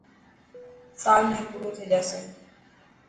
سال ۾ پورو ٿي جاسي.